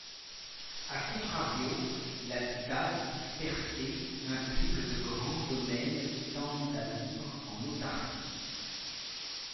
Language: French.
À contrario, l'habitat dispersé implique de grands domaines qui tendent à vivre en autarcie.